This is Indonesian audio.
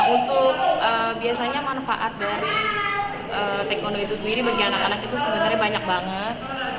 untuk biasanya manfaat dari taekwondo itu sendiri bagi anak anak itu sebenarnya banyak banget